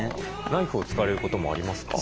ナイフを使われることもありますか？